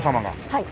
はい。